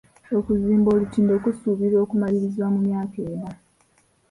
Okuzimba olutindo kusuubirwa okumalirizibwa mu myaka ena.